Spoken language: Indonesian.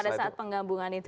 pada saat penggabungan itu